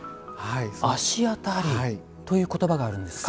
足あたりという言葉があるんですか。